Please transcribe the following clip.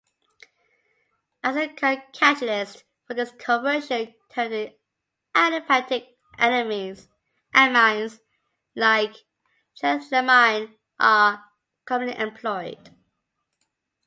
As a co-catalyst for this conversion tertiary aliphatic amines like triethylamine are commonly employed.